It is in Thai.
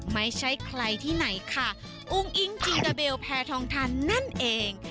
ไม่ใช่ใครที่ไหนค่ะอุ้งอิงจิงกาเบลแพทองทันนั่นเอง